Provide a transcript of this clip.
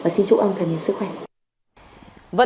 xin chúc ông thật nhiều sức khỏe